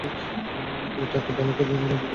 এ টাকা ভাল কাজেই লাগবে নিশ্চিত।